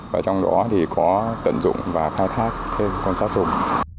và trong đó thì có tận dụng và thao thác thêm con sát sùng